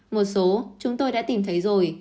một số chúng tôi đã tìm thấy rồi